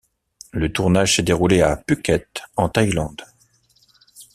Le tournage s'est déroulé à Phuket en Thaïlande.